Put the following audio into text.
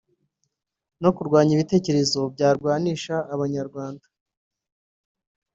no kurwanya ibitekerezo byaryanishja Abanyarwanda